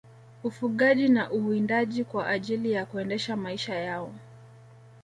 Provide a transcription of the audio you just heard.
Ufugaji na uwindaji kwa ajili ya kuendesha maisha yao